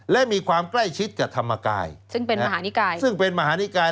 และมีความใกล้ชิดกับธรรมกายซึ่งเป็นมหานิกาย